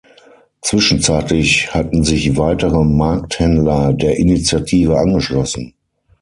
Zwischenzeitlich hatten sich weitere Markthändler der Initiative angeschlossen.